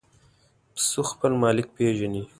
پسه خپل مالک پېژني.